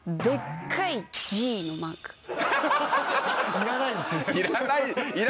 いらないですね。